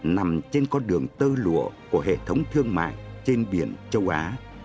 nằm trên con đường tơ lụa của hệ thống thương mại trên biển châu á